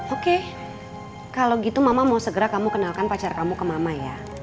oke kalau gitu mama mau segera kamu kenalkan pacar kamu ke mama ya